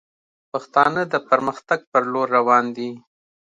پښتانه د پرمختګ پر لور روان دي